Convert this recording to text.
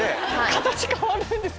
形変わるんですか